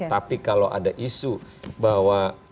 tapi kalau ada isu bahwa